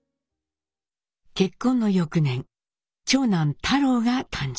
結婚の翌年長男太良が誕生。